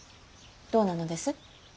どうなのです。